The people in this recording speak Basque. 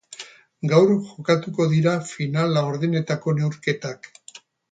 Gaur jokatuko dira final-laurdenetako neurketak.